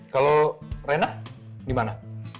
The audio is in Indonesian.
kalau rena gimana